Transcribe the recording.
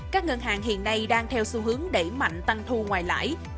các ngân hàng hiện nay đang theo xu hướng đẩy mạnh tăng thu ngoài lãi